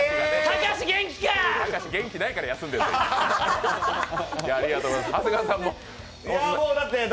隆、元気ないから休んでんだよ。